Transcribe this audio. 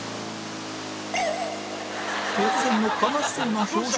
突然の悲しそうな表情